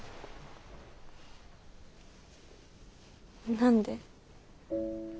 何で？